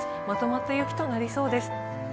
まとまった雪となりそうです。